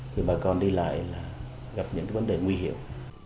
thì bà con đi lại là gặp những vấn đề nguy hiểm